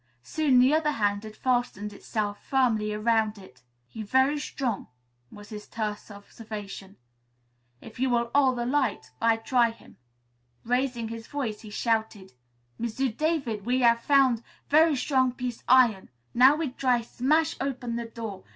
Soon the other hand had fastened itself firmly around it. "He very strong," was his terse observation. "If you will 'old the light, I try him." Raising his voice he shouted, "M'sieu' David, we hav' foun' very strong piec' iron. Now we try smash open the door.